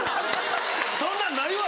そんなんないわ！